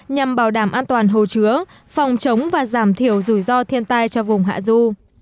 nhằm bảo đảm an toàn hồ chứa phòng chống và giảm thiểu rủi ro thiên tai cho vùng hạ du